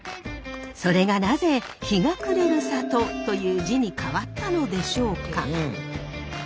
それがなぜ日が暮れる里という字に変わったのでしょうか？